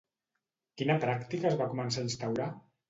Quina pràctica es va començar a instaurar?